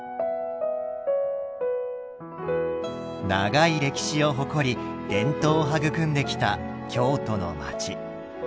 長い歴史を誇り伝統を育んできた京都の街。